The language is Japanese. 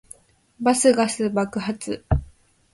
バスガス爆発